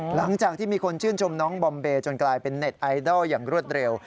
หลังจากที่มีคนชื่นชมน้องบอมเบย์จนกลายเป็นเน็ตไอดอลอย่างรวดเร็ว